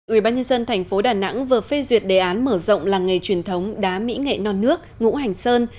ubnd tp đà nẵng vừa phê duyệt đề án mở rộng làng nghề truyền thống đá mỹ nghệ non nước ngũ hành sơn